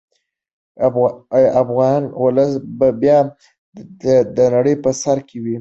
افغان ولس به بیا د نړۍ په سر کې وي.